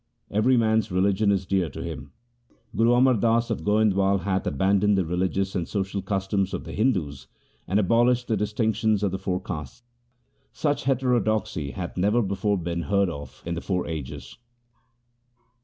Every man's religion is dear to him. Guru Amar Das of Goindwal hath abandoned the religious and social customs of the Hindus, and abolished the distinction of the four castes. Such heterodoxy hath never before been heard of in the four ages.